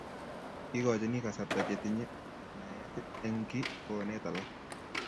kikochini kasarta che tinye naet eng' kiy koonet alak